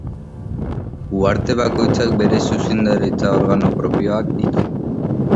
Uharte bakoitzak bere zuzendaritza-organo propioak ditu.